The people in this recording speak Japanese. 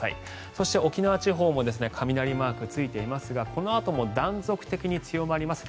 そして、沖縄地方も雷マークついていますがこのあとも断続的に強まります。